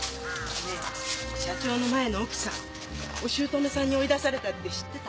ねぇ社長の前の奥さんお姑さんに追い出されたって知ってた？